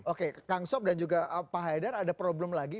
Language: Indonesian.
oke kang sob dan juga pak haidar ada problem lagi